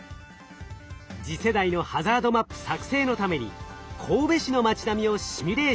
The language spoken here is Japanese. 次世代のハザードマップ作製のために神戸市の町並みをシミュレーション。